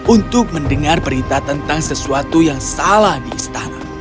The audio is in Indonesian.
untuk mendengar berita tentang sesuatu yang salah di istana